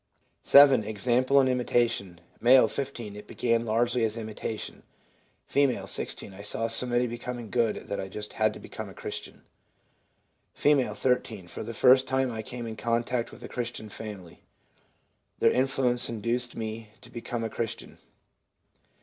7. Example and imitation. — M., 15. 'It began largely as imitation.' F., 16. ' I saw so many becoming good that I just had to become a Christian.' F., 13. 1 For the first time I came in contact with a Christian family. Their influence induced me to become a Christian.'